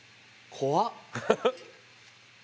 怖っ！